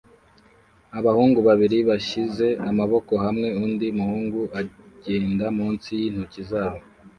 Abahungu babiri bashyize amaboko hamwe undi muhungu agenda munsi yintoki zabo